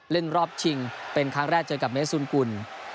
เล่นรอบชิงเป็นครั้งแรกเจอกับเมซุนกุล